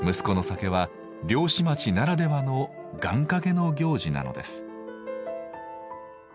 酒は漁師町ならではの願かけの行事なのです。